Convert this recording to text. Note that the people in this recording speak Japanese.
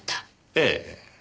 ええ。